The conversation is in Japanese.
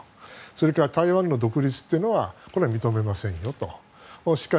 それから台湾の独立というのは支持しませんよと。